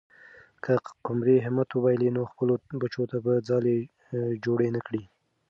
که قمرۍ همت وبایلي، نو خپلو بچو ته به ځالۍ جوړه نه کړي.